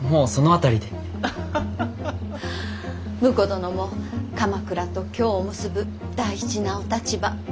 婿殿も鎌倉と京を結ぶ大事なお立場。